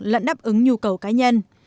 lẫn đáp ứng nhu cầu cá nhân